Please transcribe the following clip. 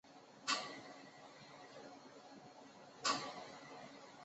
鞣花酸在大量体外组织及小动物模型中都具有抗增生和抗氧化的性质。